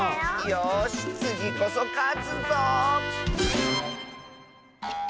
よしつぎこそかつぞ！